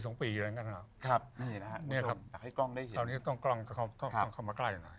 ตรงตอนนี้ก็ร้องมาใกล้อีกหน่อย